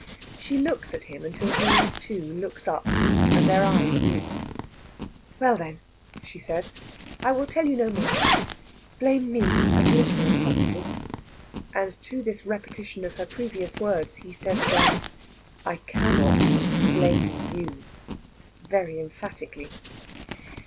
She looks at him until he, too, looks up, and their eyes meet. "Well, then," she says, "I will tell you no more. Blame me as little as possible." And to this repetition of her previous words he says again, "I cannot blame you," very emphatically.